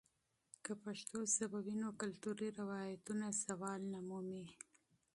که پښتو ژبه وي، نو کلتوري روایتونه نه زوال مومي.